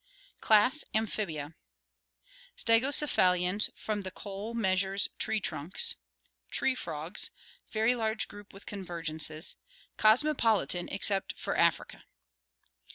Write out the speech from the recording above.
Class Amphibia Stegocephalians from the Coal Measures tree trunks. Tree frogs. Very large group with convergences. Cosmopolitan except for Africa.